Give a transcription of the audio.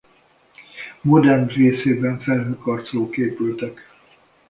Modern részében felhőkarcolók épültek.